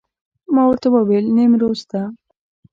ما ورته وویل نیمروز ته.